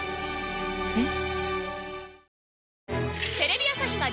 えっ？